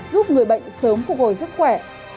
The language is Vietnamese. giúp người bệnh sớm phục hồi sức khỏe